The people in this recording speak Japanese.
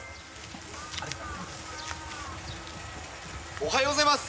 おはようございます。